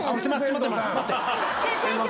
待って、待って。